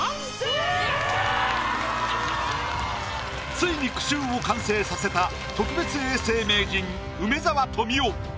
ついに句集を完成させた特別永世名人梅沢富美男。